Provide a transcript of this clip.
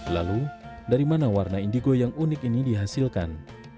lalu dari mana warna indigo yang unik ini dihasilkan